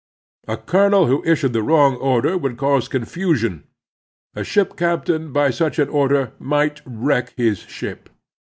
A colonel who issued the wrong order would cause confusion. A ship captain by such an order might wreck his ship.